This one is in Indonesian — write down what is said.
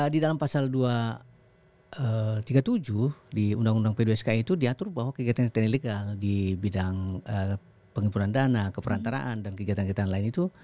di dalam pasal dua ratus tiga puluh tujuh di undang undang p dua sk itu diatur bahwa kegiatan kegiatan ilegal di bidang pengimpunan dana keperantaraan dan kegiatan kegiatan lain itu